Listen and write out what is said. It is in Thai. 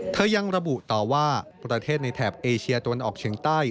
ยังระบุต่อว่าประเทศในแถบเอเชียตะวันออกเฉียงใต้